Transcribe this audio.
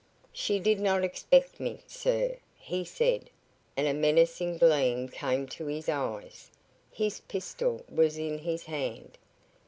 "She did not expect me, sir," he said, and a menacing gleam came to his eyes. His pistol was in his hand.